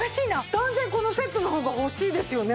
断然このセットの方が欲しいですよね。